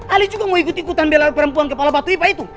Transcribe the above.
ali juga mau ikut ikutan bela perempuan kepala batu ipa itu